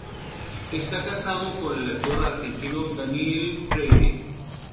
Está casado con el actor argentino Daniel Freire.